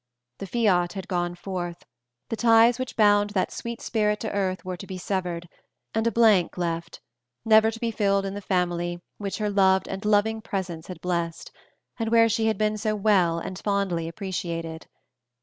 The fiat had gone forth, the ties which bound that sweet spirit to earth were to be severed, and a blank left, never to be filled in the family which her loved and loving presence had blessed, and where she had been so well and fondly appreciated.